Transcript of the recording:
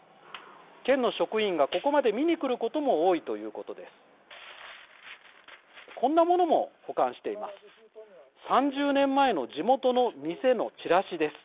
県の職員がここまで見にくることも多いということです。